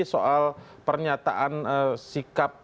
soal pernyataan sikap